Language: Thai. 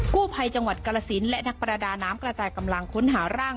กู้ภัยจังหวัดกรสินและนักประดาน้ำกระจายกำลังค้นหาร่าง